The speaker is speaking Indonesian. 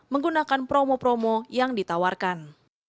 menggunakan promo promo yang ditawarkan